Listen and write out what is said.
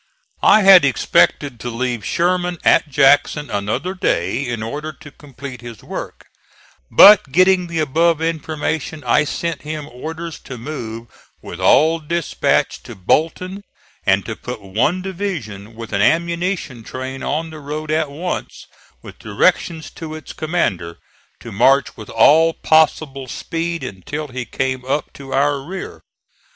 I had expected to leave Sherman at Jackson another day in order to complete his work; but getting the above information I sent him orders to move with all dispatch to Bolton, and to put one division with an ammunition train on the road at once, with directions to its commander to march with all possible speed until he came up to our rear.